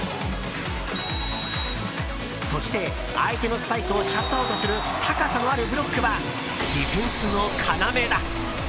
そして相手のスパイクをシャットアウトする高さのあるブロックはディフェンスの要だ。